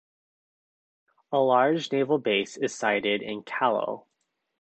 A large naval base is sited in Callao.